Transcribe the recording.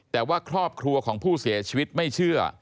แต่ว่าครอบครัวของผู้เสียชีวิตไม่เชื่อ